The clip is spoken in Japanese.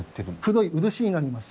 黒い漆になります。